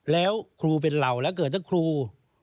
แล้วครูเป็นเราแล้วเกิดถ้าครู